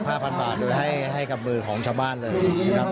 พันบาทเลยให้ให้กับมือของชาวบ้านเลยนะครับ